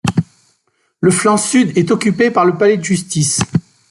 Le flanc sud est occupé par le Palais de justice.